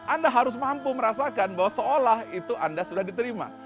anda harus mampu merasakan bahwa seolah itu anda sudah diterima